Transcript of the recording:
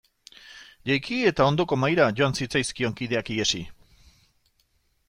Jaiki eta ondoko mahaira joan zitzaizkion kideak ihesi.